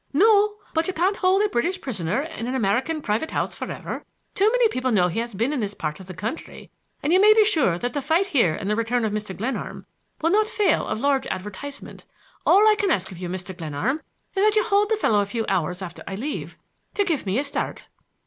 "No; but you can't hold a British prisoner in an American private house for ever. Too many people know he has been in this part of the country; and you may be sure that the fight here and the return of Mr. Glenarm will not fail of large advertisement. All I can ask of you, Mr. Glenarm, is that you hold the fellow a few hours after I leave, to give me a start."